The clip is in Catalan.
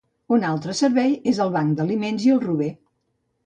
Un altre servei és el banc d'aliments i el rober.